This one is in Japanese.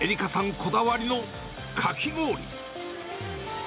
こだわりのかき氷。